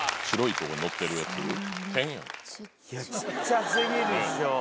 小っちゃ過ぎでしょ。